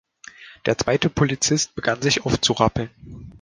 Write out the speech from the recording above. Der zweite Polizist begann, sich aufzurappeln.